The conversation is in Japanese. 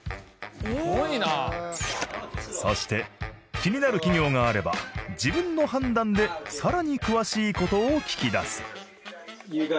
「すごいな！」そして気になる企業があれば自分の判断でさらに詳しい事を聞き出す。